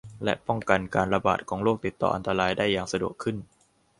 และป้องกันการระบาดของโรคติดต่ออันตรายได้อย่างสะดวกขึ้น